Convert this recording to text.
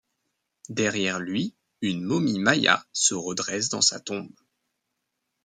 Derrière lui, une momie Maya se redresse dans sa tombe.